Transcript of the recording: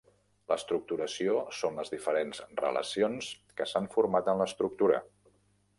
L’estructuració són les diferents relacions que s’han format en l’estructura.